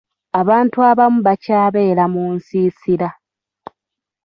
Abantu abamu bakyabeera mu nsiisira